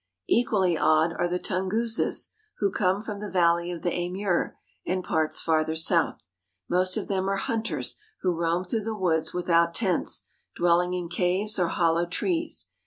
Equally odd are the Tunguses who come from the valley of the Amur and parts farther north. Most of them are hunters who roam through the woods without tents, dwelling in caves or hollow trees.